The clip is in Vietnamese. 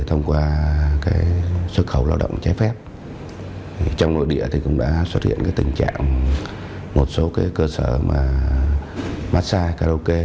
trong nội địa thì cũng đã xuất hiện tình trạng một số cơ sở mà massage karaoke